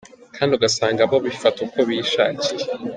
Kandi ugasanga bo bifata uko bishakiye.